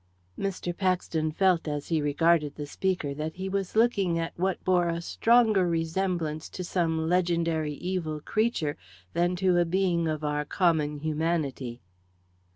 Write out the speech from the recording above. Mr. Paxton felt, as he regarded the speaker, that he was looking at what bore a stronger resemblance to some legendary evil creature than to a being of our common humanity.